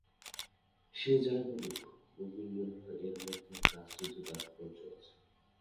সে যাই বলুক ঊর্মির মনে হয় এর মধ্যে একটা আশ্চর্য তাৎপর্য আছে।